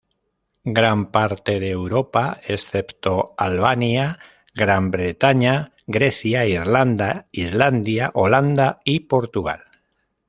Gran parte de Europa, excepto Albania, Gran Bretaña, Grecia, Irlanda, Islandia, Holanda y Portugal.